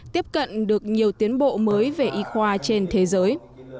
tiếp cận được nhiều tiến bộ mới về y khoa trên thế giới